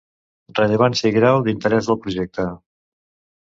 Rellevància i grau d'interès del projecte.